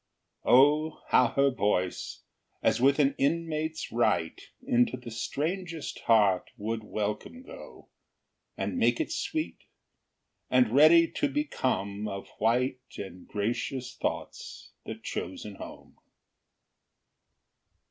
O, how her voice, as with an inmate's right, Into the strangest heart would welcome go, And make it sweet, and ready to become Of white and gracious thoughts the chosen home!